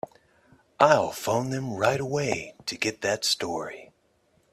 I'll phone them right away to get that story.